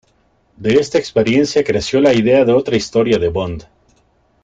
De esta experiencia creció la idea de otra historia de Bond.